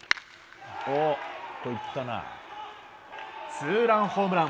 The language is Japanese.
ツーランホームラン。